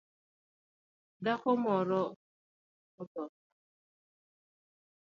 Dhako moro otho